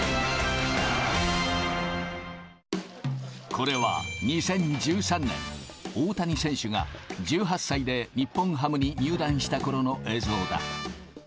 これは２０１３年、大谷選手が１８歳で日本ハムに入団したころの映像だ。